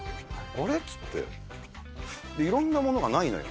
あれ？って言って、いろんなものがないのよ。